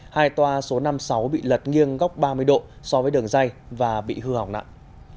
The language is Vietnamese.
hai toa số năm mươi sáu bị lật nghiêng góc ba mươi độ so với đường dây và bị hư hỏng nặng